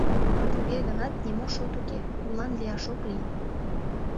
Туге гынат нимо шот уке, улан лияш ок лий.